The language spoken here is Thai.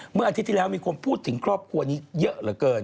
อาทิตย์ที่แล้วมีคนพูดถึงครอบครัวนี้เยอะเหลือเกิน